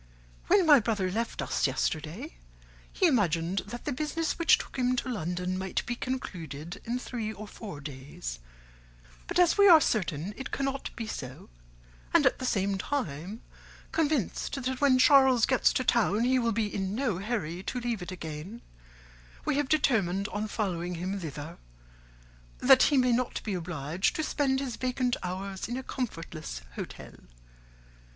"'When my brother left us yesterday, he imagined that the business which took him to London might be concluded in three or four days; but as we are certain it cannot be so, and at the same time convinced that when Charles gets to town he will be in no hurry to leave it again, we have determined on following him thither, that he may not be obliged to spend his vacant hours in a comfortless hotel.